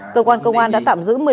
cơ quan công an đã tạm giữ